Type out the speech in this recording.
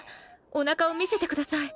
おなかを見せてください。